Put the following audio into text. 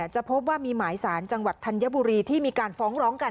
จะพบว่ามีหมายสารจังหวัดธัญบุรีที่มีการฟ้องร้องกัน